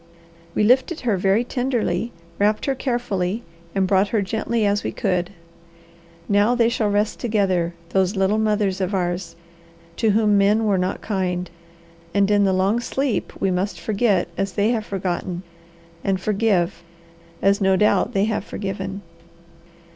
We lifted her very tenderly, wrapped her carefully, and brought her gently as we could. Now they shall rest together, those little mothers of ours, to whom men were not kind; and in the long sleep we must forget, as they have forgotten, and forgive, as no doubt they have forgiven.